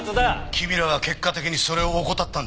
君らは結果的にそれを怠ったんだ。